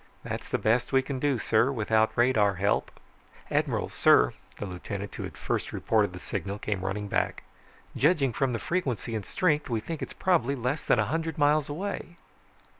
"That's the best we can do, sir, without radar help." "Admiral, sir," the lieutenant who had first reported the signal came running back. "Judging from the frequency and strength, we think it's probably less than a hundred miles away."